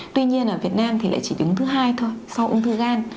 tuy nhiên ở việt nam thì lại chỉ đứng thứ hai thôi sau ung thư gan